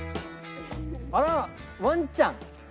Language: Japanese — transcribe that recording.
あらワンちゃん！